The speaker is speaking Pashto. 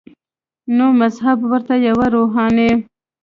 نو مذهب ورته یوه روحاني